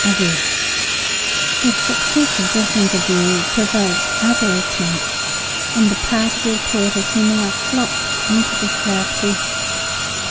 ARREST The success of this interview provoked other attempts on the part of the reporters who now flocked into the Southwest.